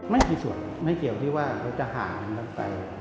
ไม่คิดส่วนไม่เกี่ยวที่ว่าเราจะห่างันตั้งแต่